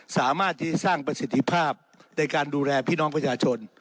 สามารถที่สร้างประสิทธิภาพในการดูแลพี่น้องประชาชน